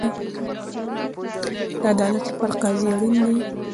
د عدالت لپاره قاضي اړین دی